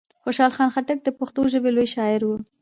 خوشحال خان خټک د پښتو ژبي لوی شاعر وو.